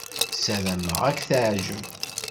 Ssarameɣ ad k-teɛjeb.